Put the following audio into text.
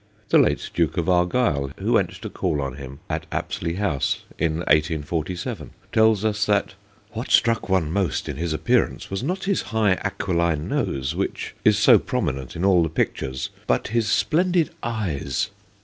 The late Duke of Argyll, who went to call on him at Apsley House in 1847, tells us that * what struck one most in his appearance was not his high aquiline nose, which is so prominent in all the pictures, but his splendid eyes.